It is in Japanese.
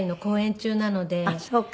あっそうか。